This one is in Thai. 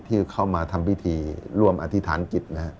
ที่เข้ามาทำพิธีร่วมอธิษฐานกิจนะฮะ